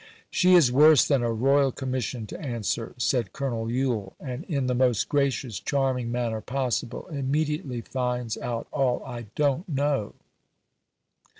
"She is worse than a Royal Commission to answer," said Colonel Yule; "and, in the most gracious, charming manner possible, immediately finds out all I don't know."